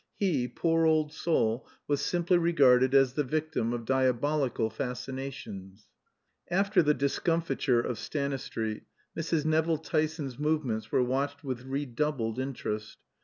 He, poor old soul, was simply regarded as the victim of diabolical fascinations. After the discomfiture of Stanistreet, Mrs. Nevill Tyson's movements were watched with redoubled interest.